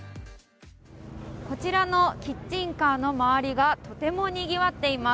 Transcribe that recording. こちらのキッチンカーの周りがとてもにぎわっています。